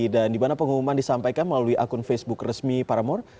dan di mana pengumuman disampaikan melalui akun facebook resmi paramore